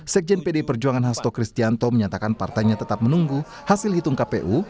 sekjen pdi perjuangan hasto kristianto menyatakan partainya tetap menunggu hasil hitung kpu